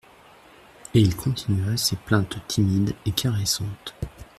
Et il continua ses plaintes timides et caressantes.